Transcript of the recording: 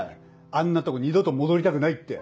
あんなとこ二度と戻りたくないって。